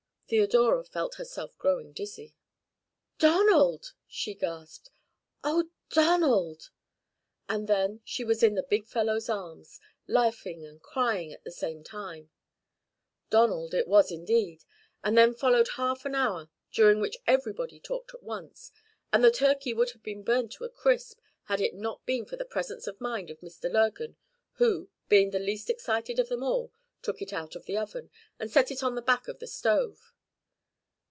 Theodora felt herself growing dizzy. "Donald!" she gasped. "Oh, Donald!" And then she was in the big fellow's arms, laughing and crying at the same time. Donald it was indeed. And then followed half an hour during which everybody talked at once, and the turkey would have been burned to a crisp had it not been for the presence of mind of Mr. Lurgan who, being the least excited of them all, took it out of the oven, and set it on the back of the stove.